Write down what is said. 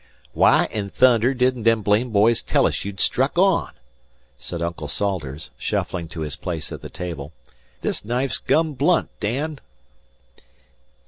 "Why in thunder didn't them blame boys tell us you'd struck on?" said Uncle Salters, shuffling to his place at the table. "This knife's gum blunt, Dan."